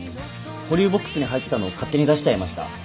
保留ボックスに入ってたの勝手に出しちゃいました。